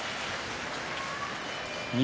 錦